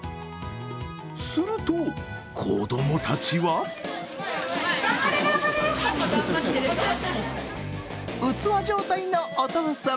すると、子供たちは器状態の、お父さん。